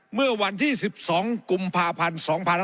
เมื่อวันที่๑๒กุมภาพันธ์๒๕๖๒